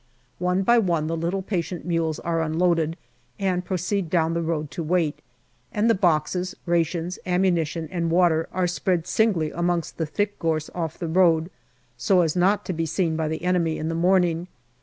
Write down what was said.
One by one the little patient mules are unloaded, and proceed down the road, to wait, and the boxes, rations, ammunition, and water are spread singly amongst the thick gorse off the road, so as not to be seen by the enemy in the morning.